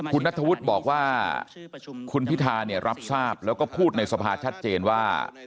คุณนัทธวุฒิบอกว่าคุณพิธาเนี่ยรับทราบแล้วก็พูดในสภาชัดเจนว่า